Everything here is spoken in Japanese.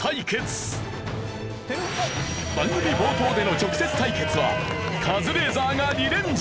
番組冒頭での直接対決はカズレーザーが２連勝。